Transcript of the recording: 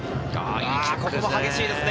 ここも激しいですね。